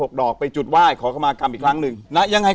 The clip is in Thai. ดอกไปจุดไหว้ขอเข้ามากรรมอีกครั้งหนึ่งนะยังไง